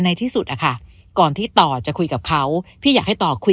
ในที่สุดอะค่ะก่อนที่ต่อจะคุยกับเขาพี่อยากให้ต่อคุย